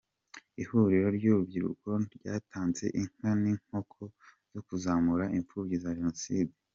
Ihuriro ry’urubyiruko ryatanze inka n’inkoko zo kuzamura imfubyi za jenoside